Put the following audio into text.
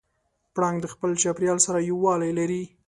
پړانګ د خپل چاپېریال سره یووالی لري.